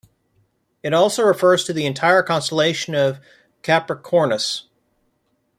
It also refers to the entire constellation of Capricornus.